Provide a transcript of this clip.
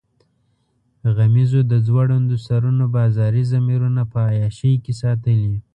غمیزو د ځوړندو سرونو بازاري ضمیرونه په عیاشۍ کې ساتلي.